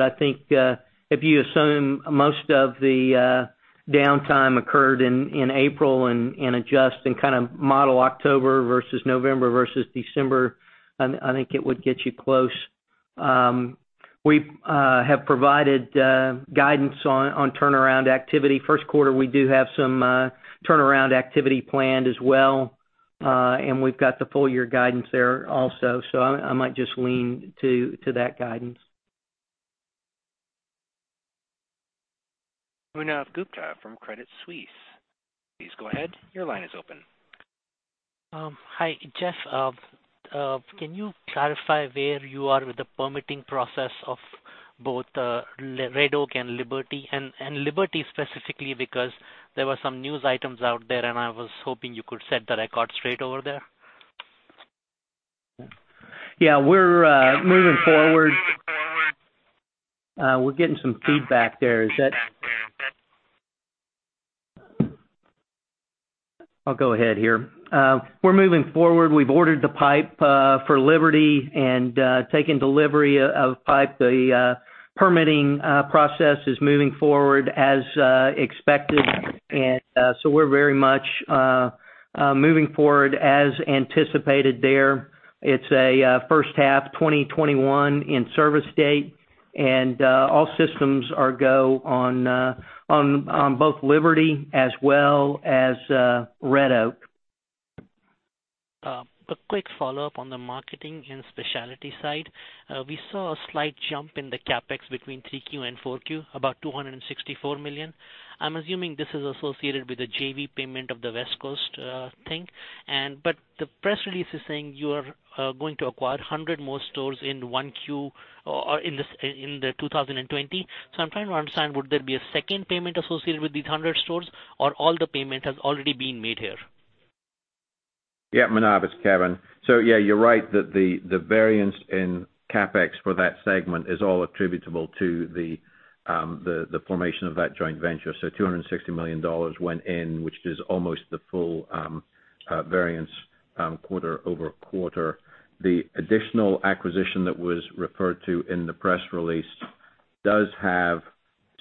I think if you assume most of the downtime occurred in April and adjust and kind of model October versus November versus December, I think it would get you close. We have provided guidance on turnaround activity. First quarter, we do have some turnaround activity planned as well. We've got the full year guidance there also. I might just lean to that guidance. Manav Gupta from Credit Suisse. Please go ahead. Your line is open. Hi, Jeff. Can you clarify where you are with the permitting process of both Red Oak and Liberty? Liberty specifically because there were some news items out there, and I was hoping you could set the record straight over there. Yeah. We're moving forward. We're getting some feedback there. I'll go ahead here. We're moving forward. We've ordered the pipe for Liberty and taken delivery of pipe. The permitting process is moving forward as expected. We're very much moving forward as anticipated there. It's a first half 2021 in service date, and all systems are go on both Liberty as well as Red Oak. A quick follow-up on the marketing and specialty side. We saw a slight jump in the CapEx between 3Q and 4Q, about $264 million. I'm assuming this is associated with the JV payment of the West Coast thing. The press release is saying you are going to acquire 100 more stores in 1Q or in the 2020. I'm trying to understand, would there be a second payment associated with these 100 stores or all the payment has already been made here? Yeah, Manav, it's Kevin. Yeah, you're right that the variance in CapEx for that segment is all attributable to the formation of that joint venture. $260 million went in, which is almost the full variance quarter-over-quarter. The additional acquisition that was referred to in the press release does have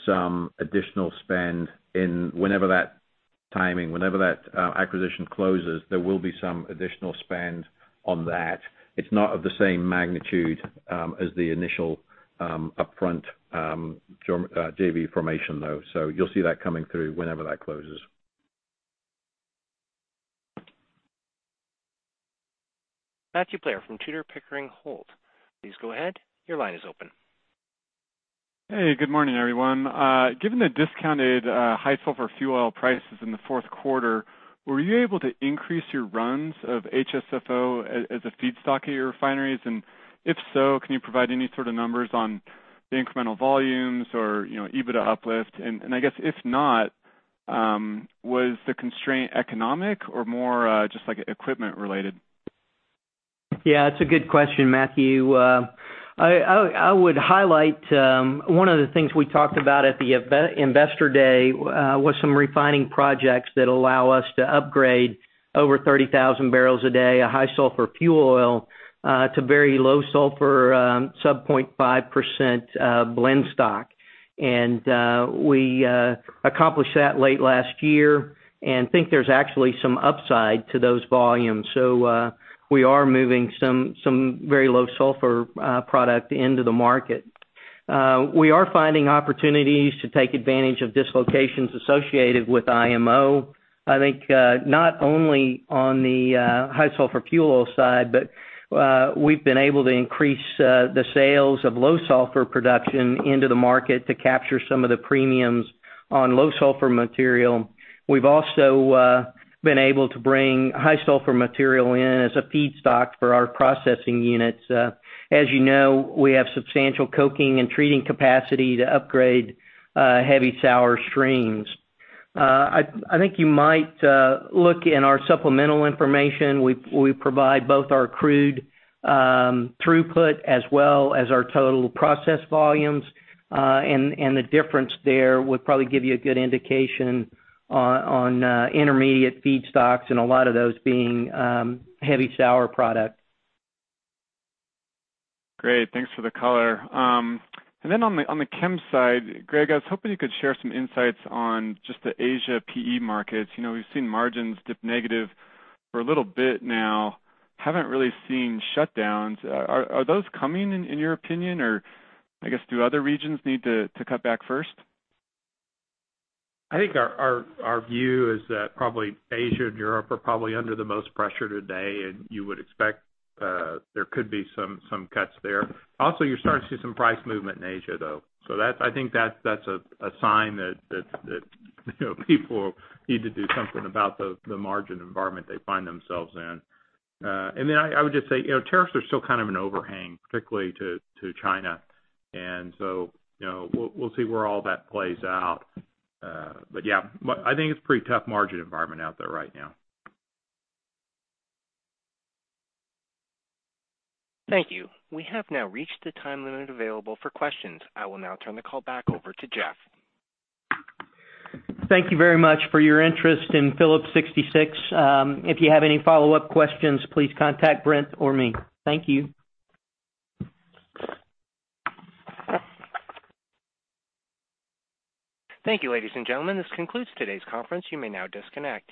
some additional spend in whenever that timing, whenever that acquisition closes, there will be some additional spend on that. It's not of the same magnitude as the initial upfront JV formation, though. You'll see that coming through whenever that closes. Matthew Blair from Tudor, Pickering, Holt. Please go ahead. Your line is open. Hey, good morning, everyone. Given the discounted high sulfur fuel oil prices in the fourth quarter, were you able to increase your runs of HSFO as a feedstock at your refineries? If so, can you provide any sort of numbers on the incremental volumes or EBITDA uplift? I guess if not, was the constraint economic or more just equipment related? Yeah, it's a good question, Matthew. I would highlight one of the things we talked about at the Investor Day was some refining projects that allow us to upgrade over 30,000 bbl a day of high sulfur fuel oil to very low sulfur, sub 0.5% blend stock. We accomplished that late last year and think there's actually some upside to those volumes. We are moving some very low sulfur product into the market. We are finding opportunities to take advantage of dislocations associated with IMO. I think not only on the high sulfur fuel oil side, but we've been able to increase the sales of low sulfur production into the market to capture some of the premiums on low sulfur material. We've also been able to bring high sulfur material in as a feedstock for our processing units. As you know, we have substantial coking and treating capacity to upgrade heavy sour streams. I think you might look in our supplemental information. We provide both our crude throughput as well as our total process volumes. The difference there would probably give you a good indication on intermediate feedstocks and a lot of those being heavy sour products. Great. Thanks for the color. On the chem side, Greg, I was hoping you could share some insights on just the Asia PE markets. We've seen margins dip negative for a little bit now. Haven't really seen shutdowns. Are those coming in your opinion, or I guess do other regions need to cut back first? I think our view is that probably Asia and Europe are probably under the most pressure today, and you would expect there could be some cuts there. You're starting to see some price movement in Asia, though. I think that's a sign that people need to do something about the margin environment they find themselves in. Then I would just say, tariffs are still kind of an overhang, particularly to China. We'll see where all that plays out. Yeah, I think it's pretty tough margin environment out there right now. Thank you. We have now reached the time limit available for questions. I will now turn the call back over to Jeff. Thank you very much for your interest in Phillips 66. If you have any follow-up questions, please contact Brent or me. Thank you. Thank you, ladies and gentlemen. This concludes today's conference. You may now disconnect.